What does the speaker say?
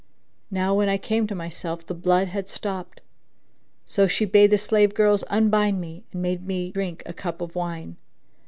Now when I came to myself, the blood had stopped; so she bade the slave girls unbind me and made me drink a cup of wine.